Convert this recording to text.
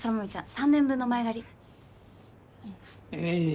３年分の前借りいや